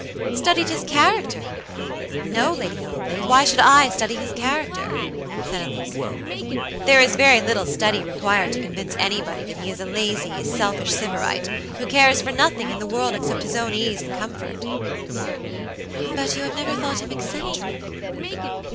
"Studied his character! No, Lady Audley. Why should I study his character?" said Alicia. "There is very little study required to convince anybody that he is a lazy, selfish Sybarite, who cares for nothing in the world except his own ease and comfort." "But have you never thought him eccentric?"